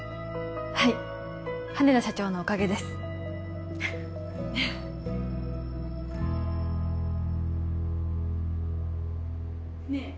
はい羽田社長のおかげですねえ